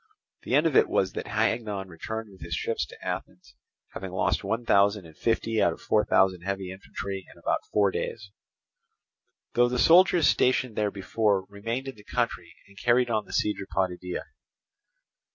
The end of it was that Hagnon returned with his ships to Athens, having lost one thousand and fifty out of four thousand heavy infantry in about forty days; though the soldiers stationed there before remained in the country and carried on the siege of Potidæa.